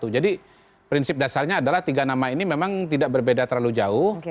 jadi prinsip dasarnya adalah tiga nama ini memang tidak berbeda terlalu jauh